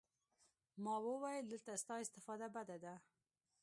ما وويل دلته ستا استفاده بده ده.